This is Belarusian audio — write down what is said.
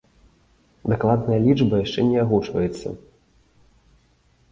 Дакладная лічба яшчэ не агучваецца.